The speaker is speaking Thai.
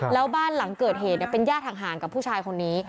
แล้วบ้านหลังเกิดเหตุเป็นญาติห่างกับผู้ชายคนนี้